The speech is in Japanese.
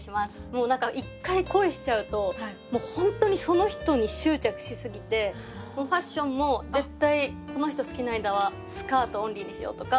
もう何か１回恋しちゃうともう本当にその人に執着しすぎてファッションも絶対この人好きな間はスカートオンリーにしようとか。